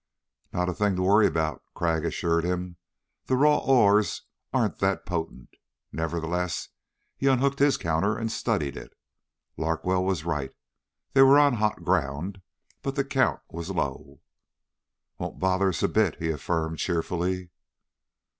"Not a thing to worry about," Crag assured him. "The raw ores aren't that potent." Nevertheless he unhooked his counter and studied it. Larkwell was right. They were on hot ground but the count was low. "Won't bother us a bit," he affirmed cheerfully.